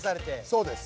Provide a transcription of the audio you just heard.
そうです。